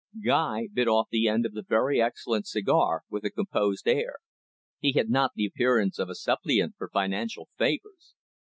Guy bit off the end of the very excellent cigar with a composed air. He had not the appearance of a suppliant for financial favours.